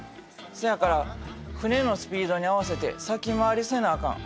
せやから船のスピードに合わせて先回りせなあかん。